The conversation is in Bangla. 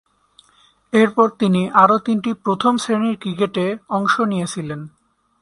এরপর তিনি আরও তিনটি প্রথম-শ্রেণীর ক্রিকেটে অংশ নিয়েছিলেন।